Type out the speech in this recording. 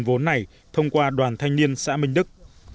nguồn vốn này thông qua đoàn thanh niên xã minh đức